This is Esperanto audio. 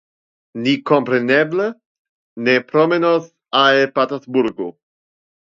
Ni kompreneble ne promenos al Patersburgo.